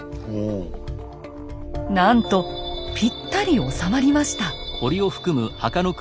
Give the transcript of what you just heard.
なんとぴったり収まりました。